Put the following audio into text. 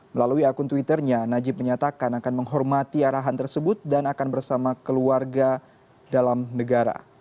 melalui akun twitternya najib menyatakan akan menghormati arahan tersebut dan akan bersama keluarga dalam negara